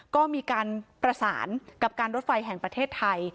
ก็มีการประสานกับการรถไฟแห่งประเทศไทย